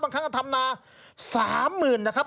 บางครั้งทำนา๓๐๐๐๐นะครับ